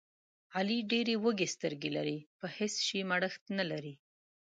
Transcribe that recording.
علي ډېرې وږې سترګې لري، په هېڅ شي مړښت نه لري.